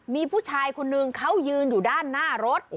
มีผู้ชายคนนึงเขายืนอยู่ด้านหน้ารถ